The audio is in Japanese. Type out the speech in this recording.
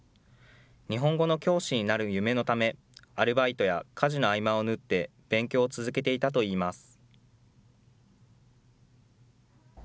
日本語の教師になる夢のため、アルバイトや家事の合間を縫って、勉強を続けていたといいます。